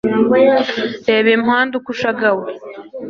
reba impande uko ushagawe